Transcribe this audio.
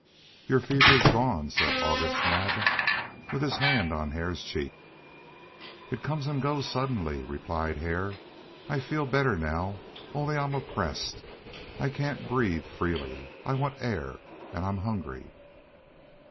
"Your fever is gone," said August Naab, with his hand on Hare's cheek. "It comes and goes suddenly," replied Hare. "I feel better now, only I'm oppressed. I can't breathe freely. I want air, and I'm hungry."